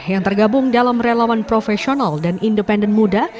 yang tergabung dalam relawan profesional dan independen muda